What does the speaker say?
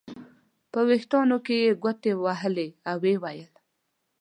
په وریښتانو کې یې ګوتې وهلې او ویې ویل.